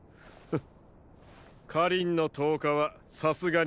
フッ。